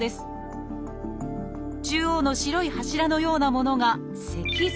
中央の白い柱のようなものが脊髄。